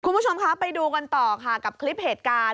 คุณผู้ชมคะไปดูกันต่อค่ะกับคลิปเหตุการณ์